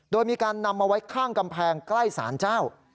โดยมีการนำมาไว้ข้างกำแพงใกล้สารเจ้า